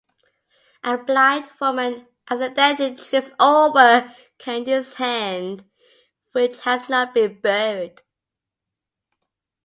A blind woman accidentally trips over Candy's hand, which has not been buried.